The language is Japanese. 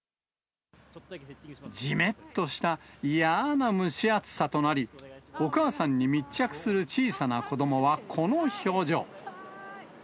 じめっとした嫌ーな蒸し暑さとなり、お母さんに密着する小さな子どもはこの表情。